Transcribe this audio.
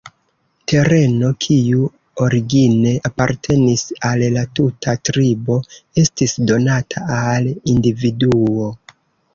Tereno, kiu origine apartenis al la tuta tribo, estis donata al individuo.